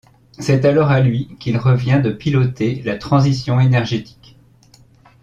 C'est alors à lui qu'il revient de piloter la transition énergétique.